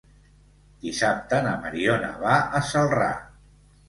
Dissabte na Mariona va a Celrà.